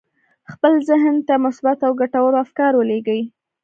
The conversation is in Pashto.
خپل ذهن ته مثبت او ګټور افکار ولېږئ